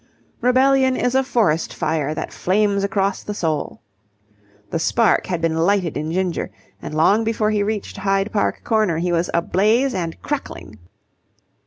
Rebellion is a forest fire that flames across the soul. The spark had been lighted in Ginger, and long before he reached Hyde Park Corner he was ablaze and crackling.